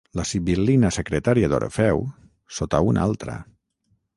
La sibil·lina secretària d'Orfeu, sota una altra.